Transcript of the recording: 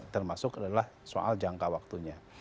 termasuk adalah soal jangka waktunya